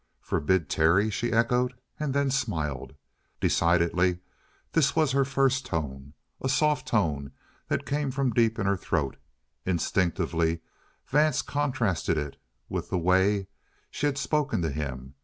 "Forbid Terry?" she echoed, and then smiled. Decidedly this was her first tone, a soft tone that came from deep in her throat. Instinctively Vance contrasted it with the way she had spoken to him.